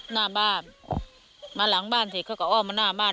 หน้าบ้านมาหลังบ้านเสร็จเขาก็อ้อมมาหน้าบ้าน